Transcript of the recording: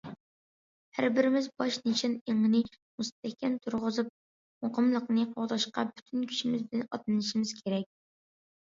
ھەر بىرىمىز باش نىشان ئېڭىنى مۇستەھكەم تۇرغۇزۇپ، مۇقىملىقنى قوغداشقا پۈتۈن كۈچىمىز بىلەن ئاتلىنىشىمىز كېرەك.